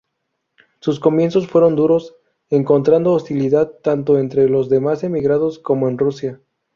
Sus comienzos fueron duros, encontrando hostilidad tanto entre los demás emigrados como en Rusia.